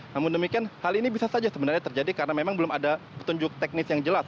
namun demikian hal ini bisa saja sebenarnya terjadi karena memang belum ada petunjuk teknis yang jelas